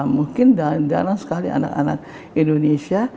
mungkin jalan jalan sekali anak anak indonesia